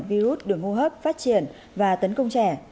virus đường hô hấp phát triển và tấn công trẻ